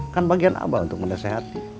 kan bagian abah untuk mendahsia hati